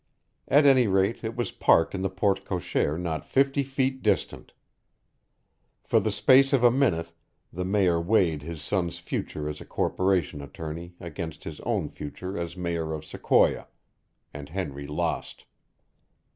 At any rate it was parked in the porte cochere not fifty feet distant! For the space of a minute the Mayor weighed his son's future as a corporation attorney against his own future as mayor of Sequoia and Henry lost.